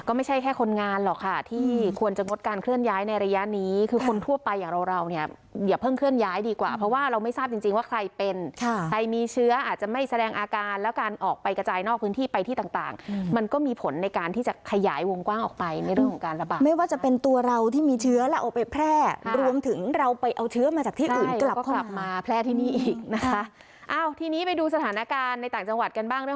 ก็ไม่ใช่แค่คนงานหรอกค่ะที่ควรจะงดการเคลื่อนย้ายในระยะนี้คือคนทั่วไปอย่าเพิ่งเคลื่อนย้ายดีกว่าเพราะว่าเราไม่ทราบจริงว่าใครเป็นใครมีเชื้ออาจจะไม่แสดงอาการแล้วการออกไปกระจายนอกพื้นที่ไปที่ต่างมันก็มีผลในการที่จะขยายวงกว้างออกไปในเรื่องของการระบาดไม่ว่าจะเป็นตัวเราที่มีเชื้อแล้วเอาไปแพร่รวมถึ